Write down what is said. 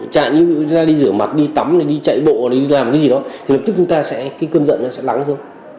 chẳng như chúng ta đi rửa mặt đi tắm đi chạy bộ đi làm cái gì đó thì lập tức chúng ta sẽ cái cơn giận nó sẽ lắng rồi